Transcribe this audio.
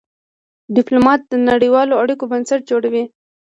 ډيپلومات د نړېوالو اړیکو بنسټ جوړوي.